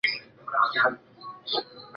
这个故事关系到林瑞间的婚姻。